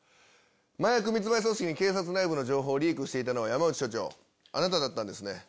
麻薬密売組織に警察内部の情報をリークしていたのは山内署長あなただったんですね。